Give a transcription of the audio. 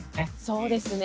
そうですね。